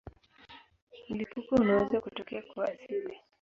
Mlipuko unaweza kutokea kwa asili.